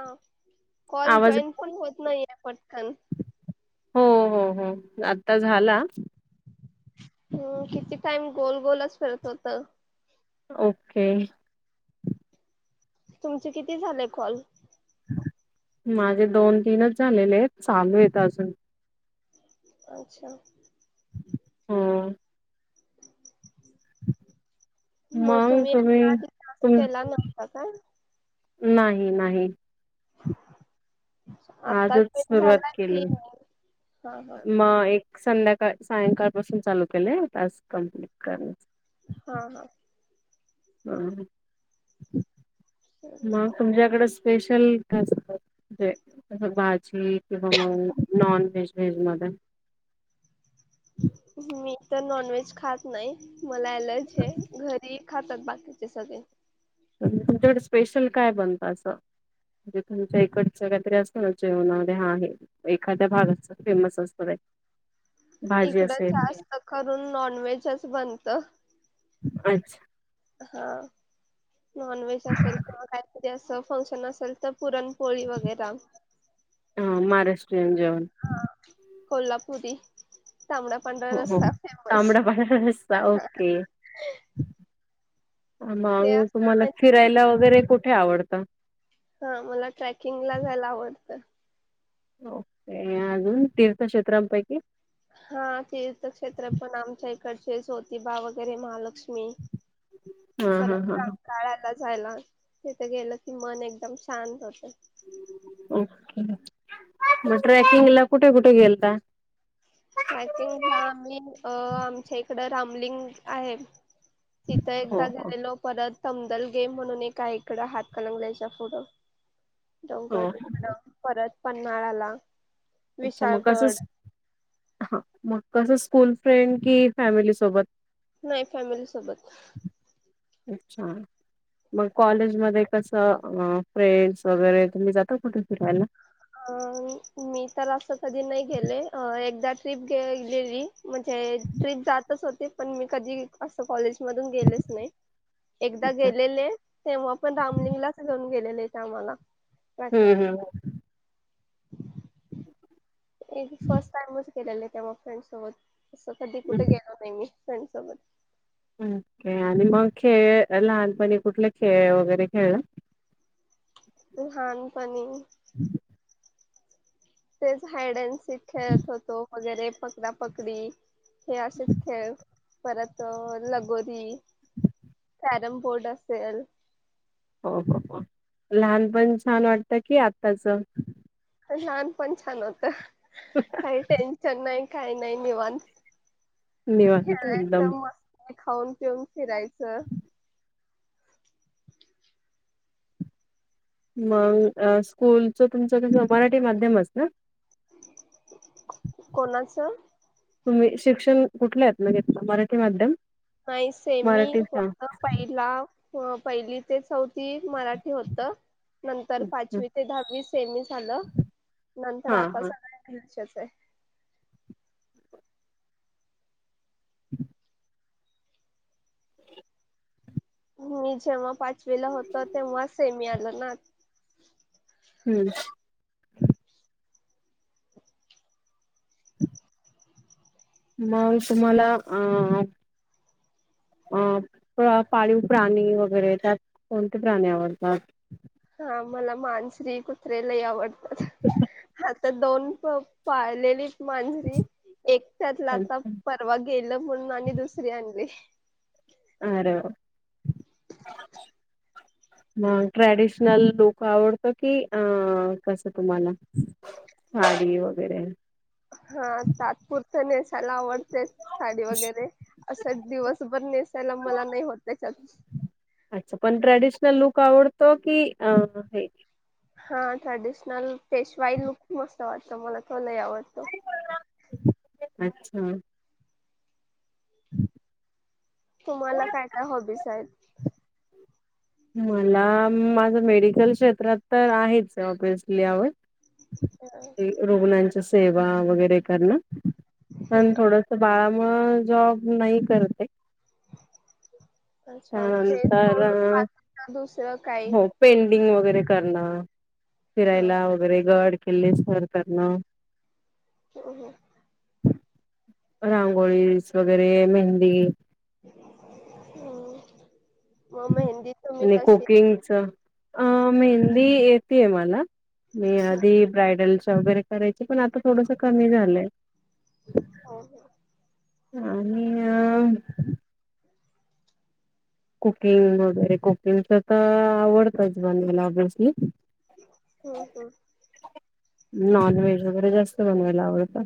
हा कॉल आवाज जॉईन पण होत नाही आहे पटकन. हो हो हो आता झाला. हम्म किती टाइम गोल गोलच फिरत होत. ओके तुमचे किती झालंय कॉल? माझे दोन तीनच झालेले आहेत चालू आहेत अजून अच्छा हम्म मग तुम्ही या आदि काम तुम केला नव्हता का? नाही नाही आत्ताच आजच जॉईन सुरुवात झाला केली की हा हा मग एक संध्याकाळ सायंकाळ पासून चालू केलंय आज कम्प्लीट करण्या हा हा हा मग तुमच्याकड स्पेशल असते भाज ठीक आहे मग नॉन व्हेज व्हेज मध्ये मी तर नॉनव्हेज खात नाही मला एलर्जी आहे घरी खातात बाकीचे सगळे तुमच्याकडे स्पेशल काय बनतात म्हणजे तुमच्या इकडचं काहीतरी असतं ना जेवणामध्ये हा आहे. एखाद्या भागाच फेमस असतं आहे. इकडं जास्त करून नॉनव्हेजच बनत अच्छा हा नॉन व्हेज असेल किंवा काहीतरी असं फंक्शन असेल तर पुरण पोळी वैगरा हा महाराष्ट्रीयन जेवण कोल्हापुरी तांबडा पंढरा हो हो. रसा फेमस तांबडा पांढरा रस्सा ओके ते मग तुम्हाला असता फिरायला वगैरे कुठे आवडतं? हा मला ट्रॅकिंग ला जायला आवडतं. ओके अजून तीर्थक्षेत्रांपैकी? हा तीर्थक्षेत्र पण आमच्या इकडचीच होती ज्योतिबा वगैरे महालक्ष्मी हा हा परत हा हा रंकाळा काळायाला जायला तिथे गेलं की मन एकदम शांत होत. ओके मग ट्रॅकिंग एला कुटे कुटे गेलता ट्रॅकिंग ह आम्ही आमच्या इकडं रामलिंग आहे. तिथं हो एकदा हो गेलेलो परत तमदल गेम म्हणून एक इकडं हात कलंगल्याच्या पुुढं हो डोंगत परत पन्हाळाला अच्छा मग विशाळगड कसं हा मग कसं स्कूल फ्रेंड कि फॅमिली सोबत नाही फॅमिली सोबत अच्छा मग कॉलेज मध्ये कसं फ्रेंड्स वगैरे तुम्ही जाता कुठे फिरायला? अ मी तर असं कधी नाही गेले एकदा ट्रिप गेलेली म्हणजे ट्रीरीप जातंच होते पण मी कधी असं कॉलेज गेले नाही एकदा अच्छा. गेलेले तेव्हा आपण रामलिंगलाच घेऊन गेलेले ते आम्हाला ट्रॅकिंग हम्म हम्म एक फर्स्ट टाइमच गेलेले तेव्हा फ्रेंडसोबत तसं कधी कुठ हम्म. गेलो नाय मी फ्रेंडसोबत हं ओके आणि म खेळ लहानपणी कुठला खेळ वगैरे खेळला लहानपणी- [unintelligible] तेच हायअँड सीक खेळत होतो वगैरे पकडापकडी हे असेच खेळ परत लगोरी कॅरम बोर्ड असेल हो हो हो लहानपण छान वाटतं की आत्ताच लहानपण छान होत काही टेन्शन नाय. काय नाही निवांत निवांत एकदम. खेळायचं मस्त काय खाऊन पिऊन फिरायचं. [unintelligible] [unintelligible] मंग स्कूलच तुमचं कस मराठी माध्यमचं ना कोणाचं? तुम्ही शिक्षण कुठल्या ह्यातन घेतलं मराठी माध्यम नाही सेमी मराठीच हा. फक्त पहिला पहिली ते चौथी मराठी होत. नंतर अच्छा. पाचवी ते दहावी सेमी झालं नंतर हा आता हा. सगळ इंगलिशच हाय. [unintelligible] मी जेव्हा पाचवीला होत तेव्हा सेमी आल ना हम्म [unintelligible] [unintelligible] मग तुम्हाला अ अ प पाळीव प्राणी वगैरे त्यात कोणते प्राणी आवडतात. हा मला मानसरी कुत्रे लय आवड [unintelligible] त्या दोन प पाळलेलीत मांजरी एक त्यातला आता प परवा गेलं म्हणून आणि दुसरी आणली. अरे वा! [unintelligible] मग ट्रॅडिशनल लुक आवडतो की अ कस तुम्हाला साडी वगैरे हा तात्पुरत नेसाला आवडते. साडी वगैरे असं दिवसभर नेसायला मला नाही होत त्याच्यात अच्छा पण ट्रॅडिशनल लुक आवडतो की अ हे हा ट्रेडिशनल पेशवाई लुक मस्त वाटतो, मला तो लय आवडतो. अच्छा. [unintelligible] तुम्हाला काय काय हॉबीस आहेत? मला माझं मेडिकल क्षेत्रात तर आहेच ऑबीयसली आवड अ रुग्णांची सेवा वगैरे करणं पण थोडं त बाळामूळ जॉब नाही करत ये. अच्छा ते त्यानंतर सोडून बाकीचं दुसरं काही हो पेंटिंग वगैरे करणं, ह फिरायला वगैरे गड केिल्ले सर करणं. हूं हूं रांगोळीस वगैरे मेहंदी हम्म म मेहंदीत आणि कुकिंगच अह मेहंदी येतेय मला मी आधी ब्रायडलच्या वगैरे करायची पण आता थोडसं कमी झालंय. हो आणि अ कुकिंग वगैरे कुकिंगच, तर आवडतच बनवायला ऑब्यसली हम्म हम्म. नॉनव्हेज वगैरे जास्त बनवायला आवडत.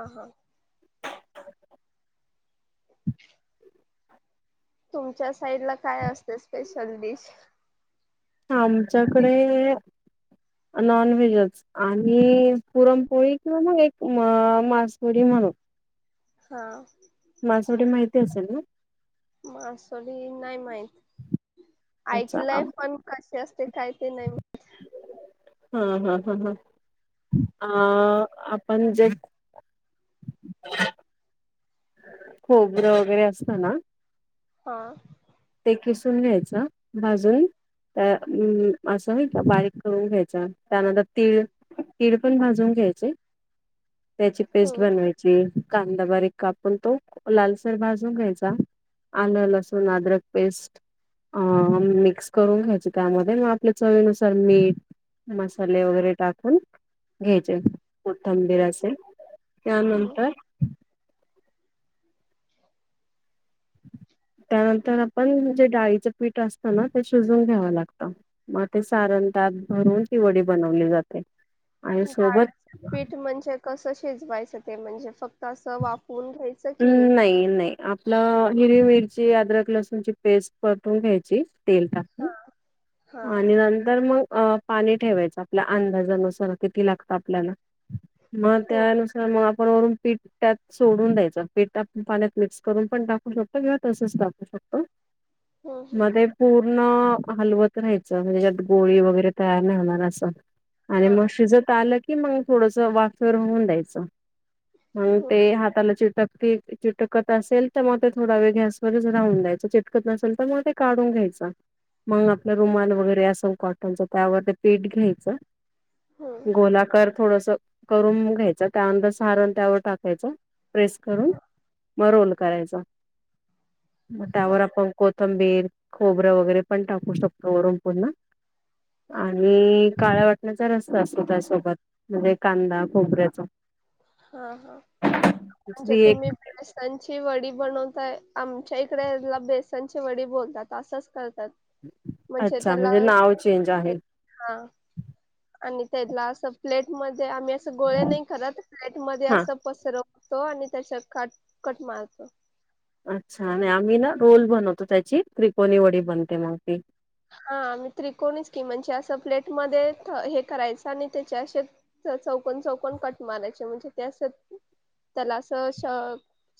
आ हा. तुमच्या साइडला काय असते स्पेशल डिश? आमच्याकडे नॉनव्हेजच आणि पुरणपोळी किंवा मग एक म मासवडी म्हणून हा. मासवडी माहिती असेल ना? मासवडी नाही माहित अच्छा आ आइकलय पण कशी असते काय ते नाही मा हा हा हा हा. अ आपण जे [unintelligible] खोबरं वगैरे असतं ना. हा. ते खिसून घ्यायचं भाजून त्या अम्म असं नाही का बारीक करून घ्यायचं त्यानंतर तीळ तीळ पण भाजून घ्यायचे. [unintelligible] त्याची पेस्ट हम्म बनवायची, कांदा बारीक कापून तो लालसर भाजून घ्यायचा. आलं, लसूण, आद्रक पेस्ट अ मिक्स करून घ्यायची, त्यामध्ये मग आपल्या चवीनुसार मीठ मसाले वगैरे टाकून घ्यायचे कोथंबीर असे त्यानंतर [unintelligible] त्यानंतर आपण जे डाळीचं पीठ असतं ना ते शिजून घ्यावं लागत. मग ते सारण त्यात भरून ती वडी बनवली जाते. आणि डाळीच सोबत पीठ म्हणजे कसं शिजवायचं ते म्हणजे फक्त असं वाफून घ्यायच? हम्म, नाही, नाही आपलं हिरवी, मिरची, आदरक, लसूणची पेस्ट परतून घ्यायची. तेल टाकून हा आणि नंतर मग अ पाणी ठेवायचं आपल्या अंदाजानुसार किती लागतं आपल्याला मग हम्म त्यानुसार तर मग आपण वरून पीठ त्यात सोडून द्यायचं पीठात पाण्यात मिक्स करून पण टाकू शकतो किंवा तसच टा [unintelligible] हम्म हम्म. म ते पूर्ण हलवत त रहायचं गोळी वगैरे तयार नाही होणार अस आणि हा म शिजत आलं की की मग थोडस वाफेर होन द्यायचं मग हम्म ते हाताला चिटक ते चिटकत असेल तर मग ते थोडा वेळ गॅसवरच राहून द्यायच चिटकत नसेल तर मग ते काढून घ्यायच मग रुमाल वगैरे असेल कॉटनच त्यावर ते पीठ घ्यायचं हम्म गोलाकर थोडस करून घ्यायच त्यानंतर सारण त्यावर टाकायच प्रेस करून, हा म रोल करायचा मग त्यावर हा आपण को थंबीर खोबरं वगैरे पण टाकू शकतो वरुन पुन्हा आणि काळ्या वाटण्याचा रस्सा असतो त्यासोबत म्हणजे कांदा, खोबऱ्याचा. हा, हा म्हणजे ती एक तुम्ही वेस त्यांची वडी बनवताय आमच्या इकडे बेसनची वडी बोलतात असंच करतात. म्हणजे अच्छा त्याला नाव चेंज आहे हा आणि त्याला असं प्लेटमध्ये आम्ही असं गोळे नाही करत प्लेट मध्ये हा असं, पसरवतो आणि त्याच्या काट कट मारतो. अच्छा आणि आम्ही ना रोल बनवतो त्याची त्रिकोणी वडी बनते मग ती हा आम्ही त्रिकोणीच की म्हणजे असं प्लेटमध्ये हे करायचं आणि त्याचे असे, चौकन चौकन कट मारायचे म्हणजे ते असं त्याला असं श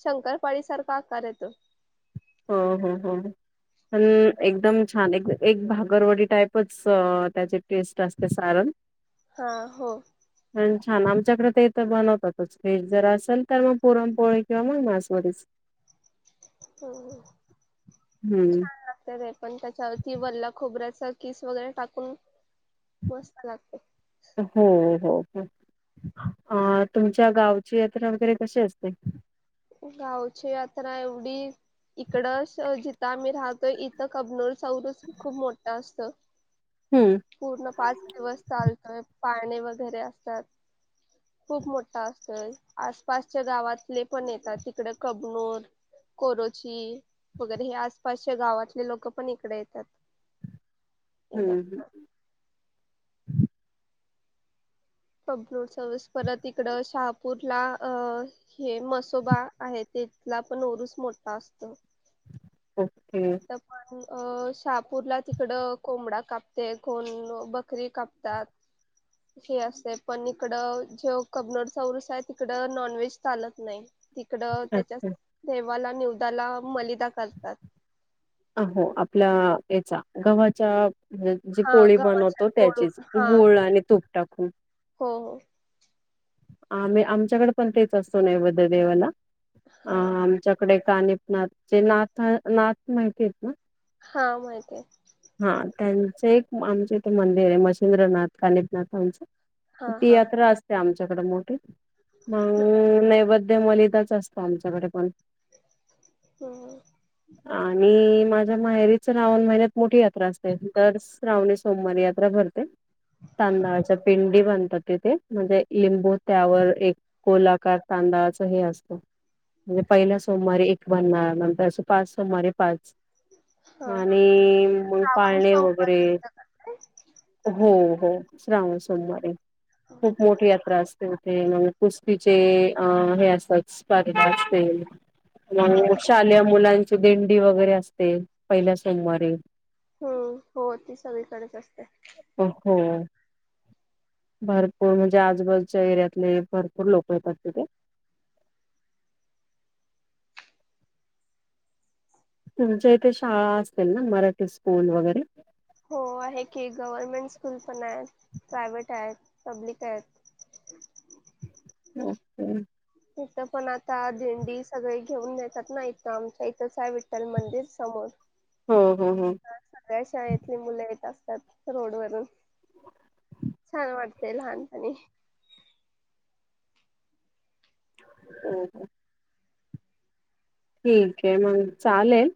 शंकरपाळी सारखा आकार येतो. ह ह ह पण एकदम छान एक एक भागरवडी टाईपच त्याचे टेस्ट असते सारण हा हो पण छान आमच्याकडे ते इथं बनवतातच फेट जर असेल तर मग पुरणपोळी किंवा मग मासवडीच हो हम्म छान लागत र पण त्याच्यावरती वल्ल्या खोबऱ्याचा किस वगैरे टाकून मस्त लागते. हो हो हो अ तुमच्या गावची यात्रा वगैरे कशी असते? गावची यात्रा एवढी इकडं जिथं आम्ही राहतो इथं कबनोरचा उरुस खूप मोठं असतो. हम्म! पूर्ण पाच दिवस चालतोय पाळणे वगैरे असतात. खूप मोठा असतोय आसपासच्या गावातले पण येतात तिकडे कबनूर कोरोची वगैरे हे आसपासच्या गावातले लोक पण इकडे येतात. हम हम कपलोड सर्स [unintelligible] परत इकडं शहापूरला अ हे मसोबा आहे तिथला पण ऊरूस मोठा असतो. ओके आता पण अ शहापूरला तिकड कोंबडा कापते कोन बकरी कापतात. ह असते पण इकड जे कबनोरचाौरस आहे तिकड नॉन व्हेज चालत नाही. तिकड त्याच्या अच्छा. देवाला नि्यवदाला मलिदा करतात. अ हो आपल्या याचा गव्हाच्या जी हा पोळी गव्हाच्या बनवतो त्याचीच फोडून हा गुळ आणि तुप टाकून हो हो! आम्ही आमच्याकडे पण तेच असतो नाही नैवैध देवाला अ हा च्याकडे काणीप नात चेनात माहितीेत ना, हा माहिती आहे हा त्यांचं एक आमच इथे मंदिर आहे मसेिंद्रनाथ कालपनाथ आमचं. हा हा तियात्रा असते आमच्याकडे मोठी मग नैवेद्य मलिदाच असते. आमच्याकडे पण हम आणि माझ्या मायरीच लावण महिन्यात मोठी यात्रा असते तर श्रवणे सोमवारी यात्रा भरते. तांदळाच्या पिंडी बनतात तिथे म्हणजे लिंबू त्यावर एक कोलाकार तांदळाच हे असत. म्हणजे पहिला सोमवारे एक बनणार नंतर असं पाच सोमवारे पाच हा आणि मग श्रावण पाळणे वगैरे सोमवारी असतं का ते हो हो श्रावण सोमवारी खूप मोठी यात्रा असते. ते कुस्तीचे अ हे असतात पार असतील. हा मग हा शालेय मुलांची दिंडी वगैरे असते पहिल्या सोमवारीे हम्म हो ती सगळीकडेच असते. अ हो भरपूर म्हणजे आजबाजूच्या एरियातले भरपूर लोक येतात तिथे. तुमच्या इथे शाळा असतील ना मराठी स्कूल वगैरे. हो आहे की गव्हर्मेंट स्कूल पण आहेत प्रायव्हेट आहेत पब्लिक आहेत. ह् हम इथं पण आता दिंडी सगळे घेऊन येतात ना इथं आमच्या इथंच आहे विठ्ठल मंदिर समोर. हो हो हो हा सगळ्या शाळेतली मुलं येत असतात. रोड वरून छान वाटतेय लहानपणी. हो हो ठीक आहे मग चालेल